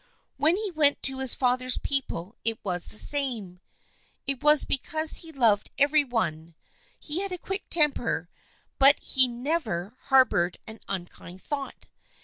When he went to his father's people it was the same. It was because he loved every one. He had a quick temper, but he never 282 THE FKIENDSHIP OF ANNE harbored an unkind thought.